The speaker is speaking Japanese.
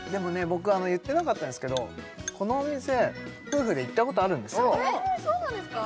僕言ってなかったんですけどこのお店夫婦で行ったことあるんですえそうなんですか！？